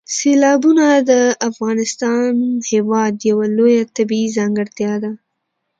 سیلابونه د افغانستان هېواد یوه لویه طبیعي ځانګړتیا ده.